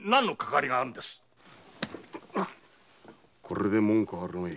これで文句はあるめえ。